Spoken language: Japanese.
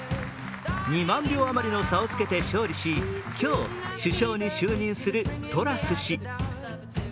２万票余りの差をつけて勝利し今日、首相に就任するトラス氏。